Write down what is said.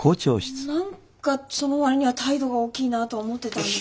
何かその割には態度が大きいなとは思ってたんですが。